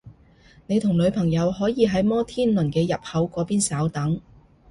你同女朋友可以喺摩天輪嘅入口嗰邊稍等